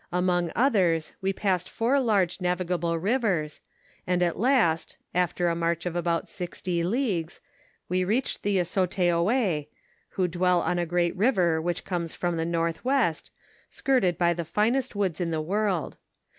Among others, we passed four large navigable rivers, and at last, after a march of about sixty leagues, we reached the Osotteoez, who dwell on a great river which comes from the northwest, skirted by the finest woods in the world.